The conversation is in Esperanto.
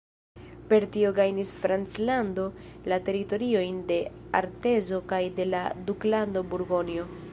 Per tio gajnis Franclando la teritoriojn de Artezo kaj de la Duklando Burgonjo.